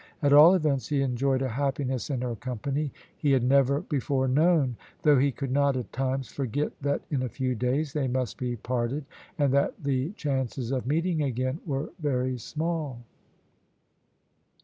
At all events, he enjoyed a happiness in her company he had never before known, though he could not at times forget that in a few days they must be parted, and that the chances of meeting again were very small.